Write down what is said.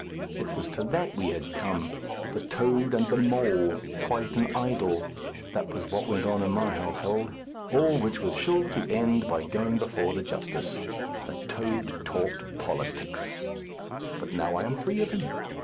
It was to that we had come. The toad and the mole; quite an idyl! That was what went on in my household. All which was sure to end by going before the justice. The toad talked politics! But now I am free of him.